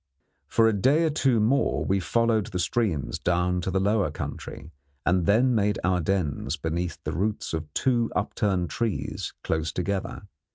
For a day or two more we followed the streams down to the lower country, and then made our dens beneath the roots of two upturned trees close together.